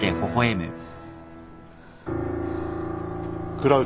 倉内。